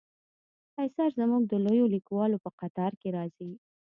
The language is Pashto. قیصر زموږ د لویو لیکوالو په قطار کې راځي.